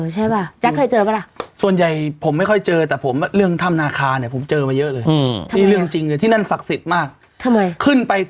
จริงไม่พูดค่ะ